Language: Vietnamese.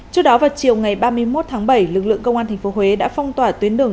trước đó vào chiều ngày ba mươi một tháng bảy lực lượng công an tp huế đã phong tỏa tuyến đường